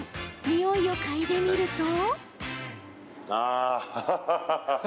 においを嗅いでみると。